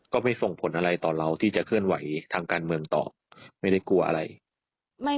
ก็ไม่ส่งผลอะไรต่อเราที่จะเคลื่อนไหวทางการเมืองต่อไม่ได้กลัวอะไร